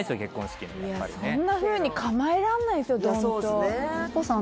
そんなふうに構えらんないですよドンとヒコさん